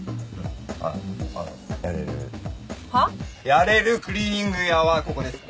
ヤレるクリーニング屋はここですか？